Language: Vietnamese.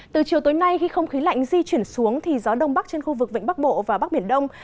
từ chiều tối nay khi không khí lạnh di chuyển xuống thì gió đông bắc trên khu vực vĩnh bắc bộ và bắc biển đông